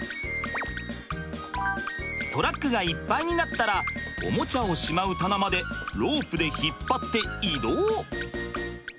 トラックがいっぱいになったらおもちゃをしまう棚までロープで引っ張って移動！